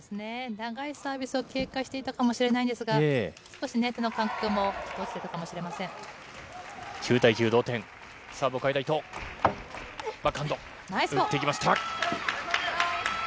長いサービスを警戒していたかもしれないんですが、少し手の感覚も落ちてたかもしれません。